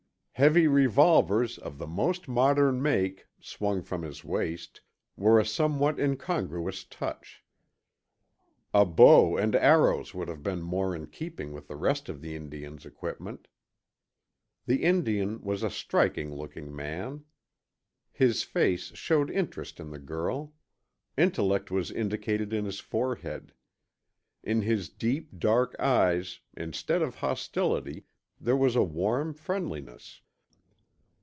Heavy revolvers, of the most modern make, swung from his waist, were a somewhat incongruous touch. A bow and arrows would have been more in keeping with the rest of the Indian's equipment. The Indian was a striking looking man. His face showed interest in the girl; intellect was indicated in his forehead. In his deep, dark eyes, instead of hostility there was a warm friendliness.